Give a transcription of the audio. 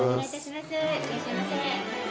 いらっしゃいませ。